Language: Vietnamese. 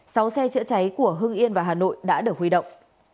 sáu xe chữa cháy của hưng yên và hà nội đã được huy động